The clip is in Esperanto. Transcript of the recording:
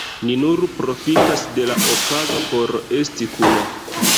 Ni nur profitas de la okazo por esti kune.